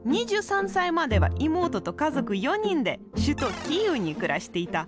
２３歳までは妹と家族４人で首都キーウに暮らしていた。